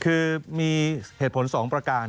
คือมีเหตุผล๒ประการ